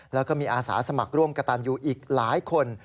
แล้วก็มีอาสาสมัครร่วมกระตันอยู่อีกหลายคน